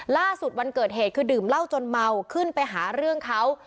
ล่าสุดวันเกิดเหตุคือดื่มเหล้าจนเมาขึ้นไปหาเรื่องเขา